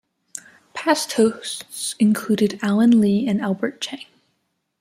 Past hosts included Allen Lee and Albert Cheng.